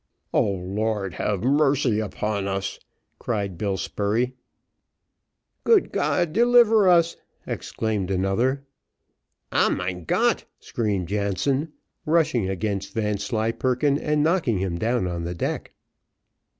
"O Lord! have mercy upon us," cried Bill Spurey. "Good God, deliver us!" exclaimed another. "Ah, Mein Gott!" screamed Jansen, rushing against Vanslyperken and knocking him down on the deck.